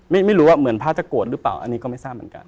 ไม่รู้ว่าเหมือนพระตะกรวดหรือเปล่าอันนี้ก็ไม่ทราบเหมือนกัน